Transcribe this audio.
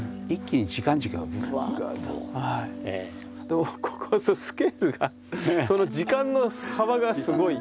でもここはスケールがその時間の幅がすごい。